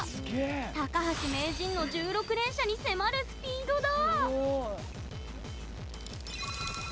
高橋名人の１６連射に迫るスピードだ。